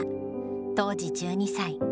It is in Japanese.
当時１２歳。